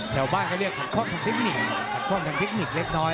แถวบ้านเขาเรียกขัดข้องทางเทคนิคขัดข้องทางเทคนิคเล็กน้อย